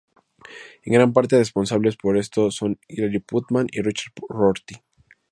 En gran parte responsables por esto son Hilary Putnam y Richard Rorty.